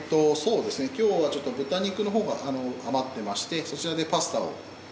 そうですね今日はちょっと豚肉のほうが余ってましてそちらでパスタを。